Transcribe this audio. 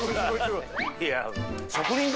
いや。